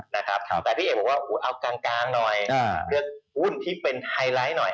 นะครับแต่พี่เอกบอกว่าเอากลางหน่อยเลือกหุ้นที่เป็นไฮไลท์หน่อย